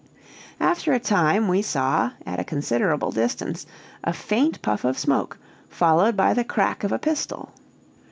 After a time we saw, at a considerable distance, a faint puff of smoke, followed by the crack of a pistol.